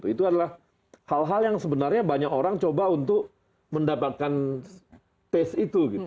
itu adalah hal hal yang sebenarnya banyak orang coba untuk mendapatkan taste itu gitu